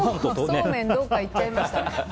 もうそうめんどっかいっちゃいましたね。